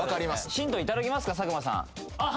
ヒントいただきますか佐久間さん